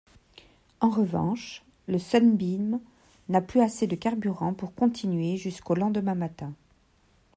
En revanche le Sunbeam n'a plus assez de carburant pour continuer jusqu'au lendemain matin.